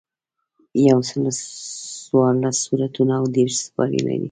یوسلو څوارلس سورتونه او دېرش سپارې لري.